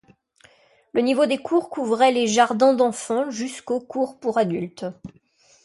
Le niveau des cours couvrait les jardins d'enfants jusqu'aux cours pour adultes.